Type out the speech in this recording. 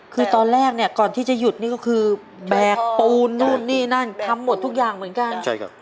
คือตอนแรกเนี่ยก่อนที่จะหยุดนี่ก็คือแบกปูนนู่นนี่นั่นทำหมดทุกอย่างเหมือนกันใช่ครับ